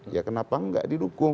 ya kenapa gak didukung